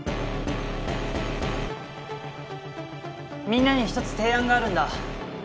みんなに一つ提案があるんだ。